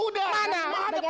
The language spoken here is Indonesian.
semoga dia lakuinya